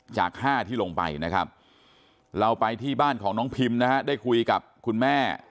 จาก๕ที่ลงไปนะครับเราไปที่บ้านของน้องพิมนะฮะได้คุยกับคุณแม่